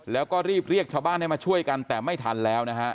แล้วก็รีบเรียกชาวบ้านให้มาช่วยกันแต่ไม่ทันแล้วนะฮะ